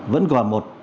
vẫn còn một